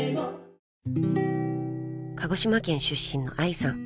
［鹿児島県出身の愛さん］